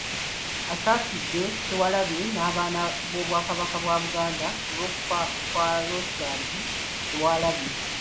Asaasidde Kyewalabye n'abaana n'Obwakabaka bwa Buganda olwokufa kwa Rosalind Kyewalabye .